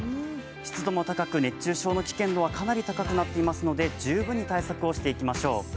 湿度も高く熱中症の危険度もかなり高くなっていますので十分に対策をしていきましょう。